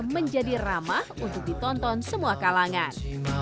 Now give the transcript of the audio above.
menjadi ramah untuk ditonton semua kalangan